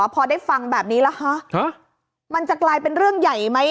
พอได้ฟังแบบนี้แล้วฮะมันจะกลายเป็นเรื่องใหญ่ไหม